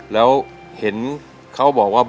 แล้วเห็นเขาบอกว่า